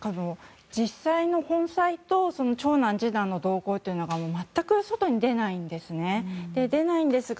実際の本妻と長男、次男の動向というのが全く外に出ないんですね。